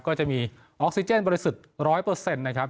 ก็จะมีออกซิเจนบริสุทธิ์๑๐๐นะครับ